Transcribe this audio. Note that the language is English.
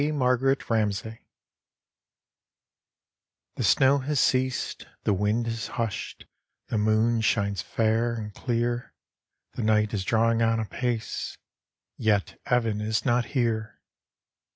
marcarbt rahsay " The snow has ceased, die wind has hu^ed, The moon shines fair and clear, The night is drawing on apace, Yet Evan is not here.